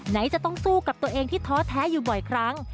ไหนจะต้องสู้กับตัวเองที่ท้อแท้อยู่บ่อยครั้ง